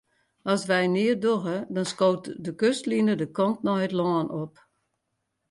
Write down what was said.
As wy neat dogge, dan skoot de kustline de kant nei it lân op.